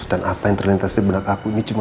dan apa yang terlintas di benak aku ini cuma